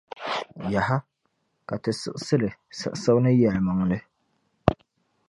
Yaha! Ka Ti siɣisi li, siɣisibu ni yεlimaŋli.